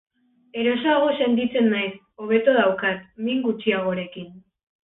Erosoago sentitzen naiz, hobeto daukat, min gutxiagorekin.